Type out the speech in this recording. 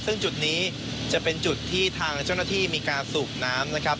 ซึ่งจุดนี้จะเป็นจุดที่ทางเจ้าหน้าที่มีการสูบน้ำนะครับ